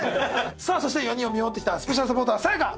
さぁそして４人を見守ってきたスペシャルサポーター・さや香